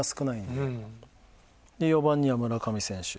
で４番には村上選手。